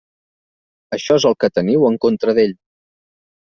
Això és el que teniu en contra d'ell.